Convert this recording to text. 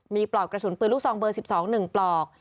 มีปลอกกระสุนปืนลูกซองเบอร์๑๒๑ปลอก